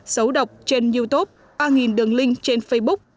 xấu độc trên youtube ba đường link trên facebook